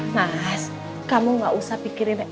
mas kamu gak usah pikirin